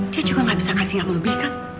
dia juga gak bisa kasih ngapain mobil kan